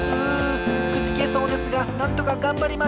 うんくじけそうですがなんとかがんばります！